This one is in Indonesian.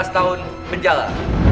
dua belas tahun penjara